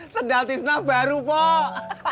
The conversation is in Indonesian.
sedal tisna baru pok